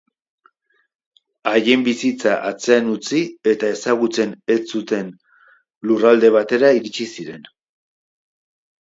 Haien bizitza atzean utzi eta ezagutzen ez zuten lurralde batera iritsi ziren.